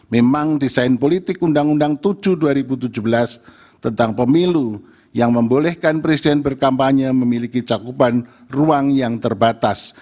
memang desain politik undang undang tujuh dua ribu tujuh belas tentang pemilu yang membolehkan presiden berkampanye memiliki cakupan ruang yang terbatas